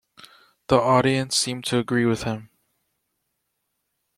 The audience seemed to agree with him.